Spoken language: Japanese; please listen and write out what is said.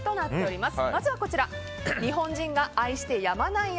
まずは日本人が愛してやまない味